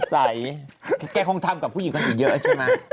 ใสแกคงทำกับผู้หญิงกันอีกเยอะใช่ไหม